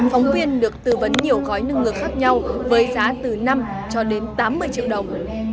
phóng viên được tư vấn nhiều gói nâng ngược khác nhau với giá từ năm cho đến tám mươi triệu đồng